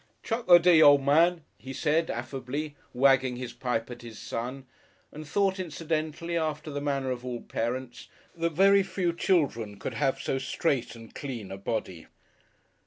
"Chuckerdee, o' man," he said, affably, wagging his pipe at his son, and thought incidentally, after the manner of all parents, that very few children could have so straight and clean a body.